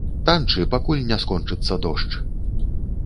Танчы, пакуль не скончыцца дождж!